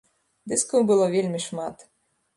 Дыскаў было вельмі шмат.